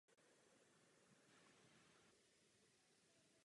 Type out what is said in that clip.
Vznikla v České republice a jedinou její jazykovou mutací je čeština.